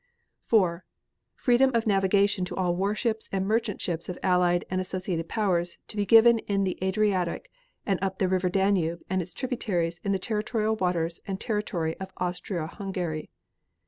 4. Freedom of navigation to all warships and merchant ships of Allied and associated Powers to be given in the Adriatic and up the River Danube and its tributaries in the territorial waters and territory of Austria Hungary.